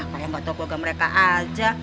kaya gak tau keluarga mereka aja